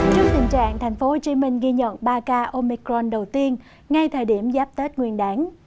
trước tình trạng tp hcm ghi nhận ba ca omicron đầu tiên ngay thời điểm giáp tết nguyên đáng